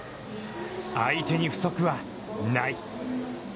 相手に不足はない。